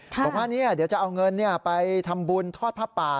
บอกว่าเดี๋ยวจะเอาเงินไปทำบุญทอดผ้าป่า